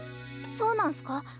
そうなんすか？